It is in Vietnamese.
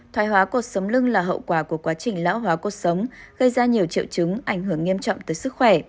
thoài hóa cột sống lưng là hậu quả của quá trình lão hóa cột sống gây ra nhiều triệu chứng ảnh hưởng nghiêm trọng tới sức khỏe